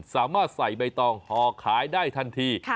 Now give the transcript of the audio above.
สามารถใส่ใบตองห่อขายได้ทันที